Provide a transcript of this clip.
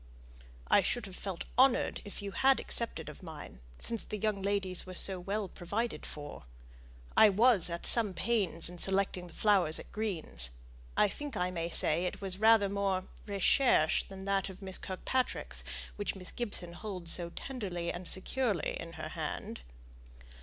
"I should have felt honoured if you had accepted of mine, since the young ladies were so well provided for. I was at some pains in selecting the flowers at Green's; I think I may say it was rather more recherchÄ than that of Miss Kirkpatrick's, which Miss Gibson holds so tenderly and securely in her hand."